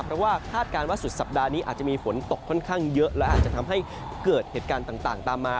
เพราะว่าคาดการณ์ว่าสุดสัปดาห์นี้อาจจะมีฝนตกค่อนข้างเยอะและอาจจะทำให้เกิดเหตุการณ์ต่างตามมา